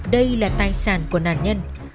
đây là tài sản của nạn nhân